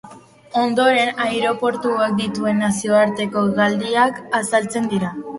Ondoren aireportuak dituen nazioarteko hegaldiak azaltzen dira.